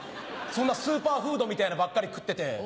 そんなスーパーフードみたいのばっかり食ってて。